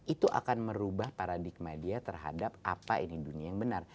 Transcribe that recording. itu akan merubah paradigma dia terhadap apa ini dunia yang benar